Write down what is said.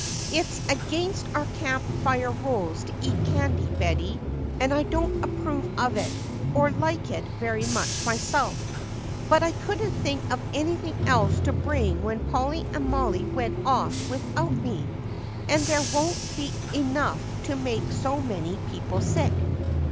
"It's against our Camp Fire rules to eat candy, Betty, and I don't approve of it or like it very much myself, but I couldn't think of anything else to bring when Polly and Mollie went off without me; and there won't be enough to make so many people sick."